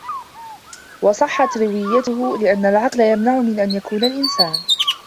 وَصَحَّتْ رَوِيَّتُهُ لِأَنَّ الْعَقْلَ يَمْنَعُ مِنْ أَنْ يَكُونَ الْإِنْسَانُ